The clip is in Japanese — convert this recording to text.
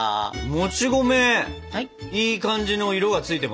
もち米いい感じの色が付いてますね。